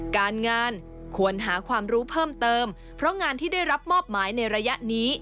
การงานควรหาความรู้เพิ่มเติมเพราะงานที่ได้รับมอบหมายในระยะนี้